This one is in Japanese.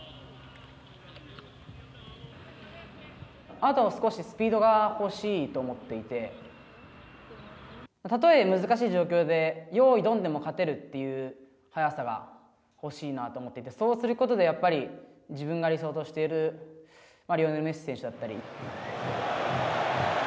あと少しスピードが欲しいと思っていてたとえ難しい状況で、用意ドンでも勝てるという速さが欲しいなと思っていて、そうすることで、自分が理想としているリオネル・メッシ選手だったり。